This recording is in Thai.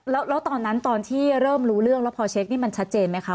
แล้วตอนนั้นตอนที่เริ่มรู้เรื่องแล้วพอเช็คนี่มันชัดเจนไหมคะ